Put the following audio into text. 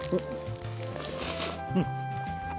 うん。